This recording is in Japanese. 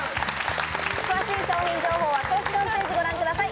詳しい商品情報は公式ホームページご覧ください。